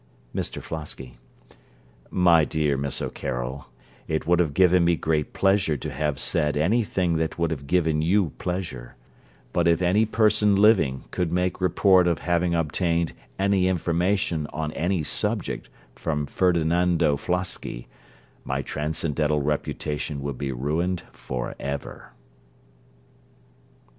MR FLOSKY My dear Miss O'Carroll, it would have given me great pleasure to have said any thing that would have given you pleasure; but if any person living could make report of having obtained any information on any subject from Ferdinando Flosky, my transcendental reputation would be ruined for ever.